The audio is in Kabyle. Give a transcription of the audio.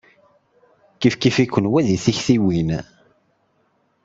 Yezzi Sami.